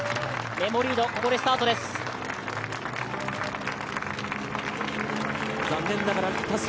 メモリード、ここでスタートです。